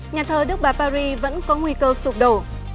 nhà thờ đức bà paris vẫn có nguy cơ sụp đổ